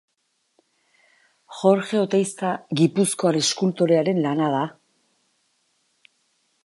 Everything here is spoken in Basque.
Jorge Oteiza gipuzkoar eskultorearen lana da.